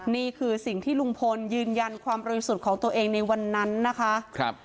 นี่คือสิ่งที่ลุงพลยืนยันความประโยชน์สุดของตัวเองในวันนั้นนะคะครับ